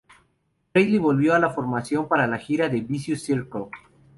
Riley volvió a la formación para la gira de "Vicious Circle".